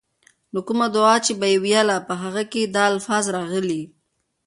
نو کومه دعاء چې به ئي ويله، په هغې کي دا الفاظ راغلي: